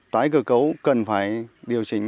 tái cơ cấu cần phải điều chỉnh